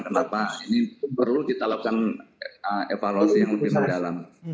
kenapa ini perlu kita lakukan evaluasi yang lebih mendalam